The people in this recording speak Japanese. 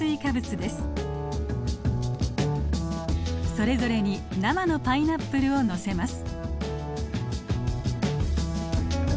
それぞれに生のパイナップルをのせます。